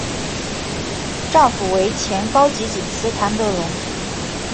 丈夫为前高级警司谭德荣。